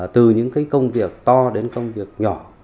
từ những công việc to đến công việc nhỏ